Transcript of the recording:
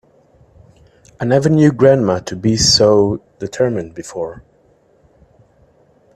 I never knew grandma to be so determined before.